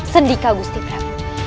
sendika gusti prabu